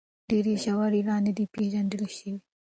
ډېر ژوي لا نه دي پېژندل شوي.